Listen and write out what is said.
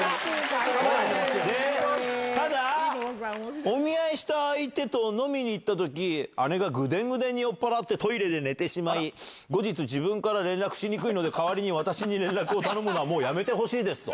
ただ、お見合いした相手と飲みに行ったとき、姉がぐでんぐでんに酔っぱらって、トイレで寝てしまい、後日、自分から連絡しにくいので、代わりに私に連絡を頼むのは、もうやめてほしいですと。